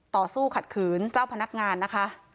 ต่อสู้ขัดขืนเจ้าพนักงานนะคะ